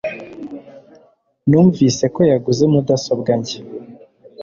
Numvise ko yaguze mudasobwa nshya